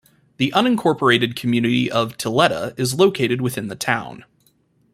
The unincorporated community of Tilleda is located within the town.